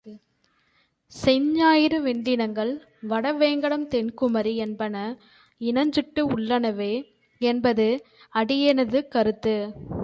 செஞ்ஞாயிறு வெண்டிங்கள், வடவேங்கடம் தென்குமரி என்பன இனச் சுட்டு உள்ளனவே என்பது அடியேனது கருத்து.